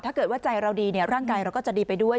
ถ้าเกิดว่าใจเราดีร่างกายเราก็จะดีไปด้วย